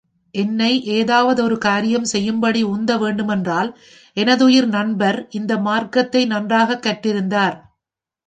என்னை ஏதாவது ஒரு காரியம் செய்யும்படி உந்த வேண்டுமென்றால், எனதுயிர் நண்பர், இந்த மார்க்கத்தை நன்றாகக் கற்றிருந்தார்.